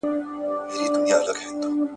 کېدای سي تمرين ستړي وي.